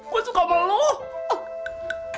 gua suka sama loh ah